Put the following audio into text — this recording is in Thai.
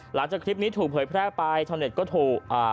หลังจากคลิปนี้ถูกเผยแพร่ไปชาวเน็ตก็ถูกอ่า